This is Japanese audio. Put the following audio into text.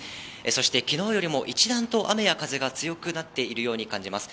そしてきのうよりも一段と雨や風が強くなっているように感じます。